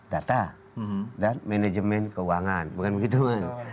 data dan manajemen keuangan bukan begitu